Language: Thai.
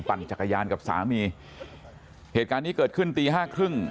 ปั่นจักรยานกับสามีเหตุการณ์นี้เกิดขึ้นตีห้าครึ่ง